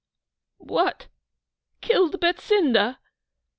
'What, killed Betsinda!